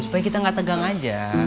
supaya kita gak tegang aja